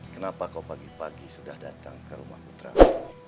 kenapa kau pagi pagi sudah datang ke rumah putramu